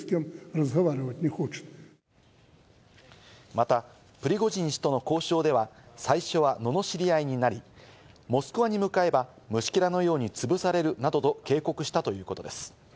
また、プリゴジン氏との交渉では最初は罵り合いになり、モスクワに向かえば虫けらのように潰されるなどと警告したということです。